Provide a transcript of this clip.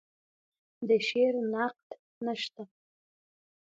د شعر نقد نشته